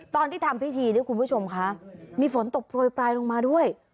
ตอนที่ทำพิธีเนี่ยคุณผู้ชมคะมีฝนตกโปรยปลายลงมาด้วย